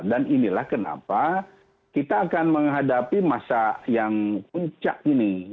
dan inilah kenapa kita akan menghadapi masa yang puncak ini